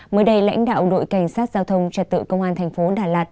mới đây lãnh đạo đội cảnh sát giao thông trật tự công an tp đà lạt